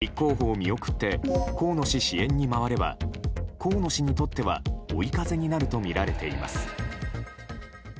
立候補を見送って河野氏支援に回れば河野氏にとっては追い風になるとみられています。